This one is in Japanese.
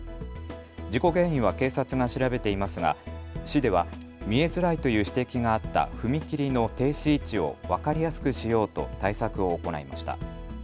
事故原因は警察が調べていますが市では見えづらいという指摘があった踏切の停止位置を分かりやすくしようと対策を行いました。